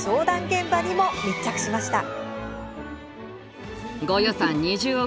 現場にも密着しました。